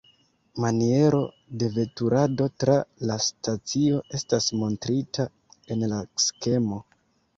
Maniero de veturado tra la stacio estas montrita en la skemo.